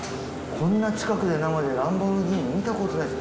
こんな近くで生でランボルギーニ見たことないです。